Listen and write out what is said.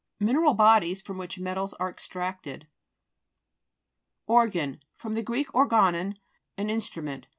Mineral bodies from which metals are extracted. ORGAIT fr. gr. organon, an instru ment.